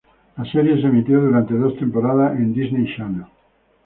La serie se emitió durante dos temporadas en Disney Channel.